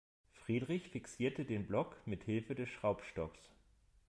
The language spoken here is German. Friedrich fixierte den Block mithilfe des Schraubstocks.